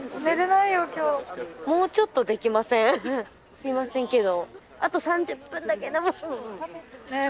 すいませんけど。